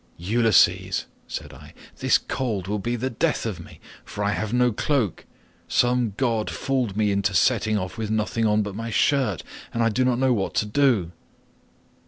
"'Ulysses,' said I, 'this cold will be the death of me, for I have no cloak; some god fooled me into setting off with nothing on but my shirt, and I do not know what to do.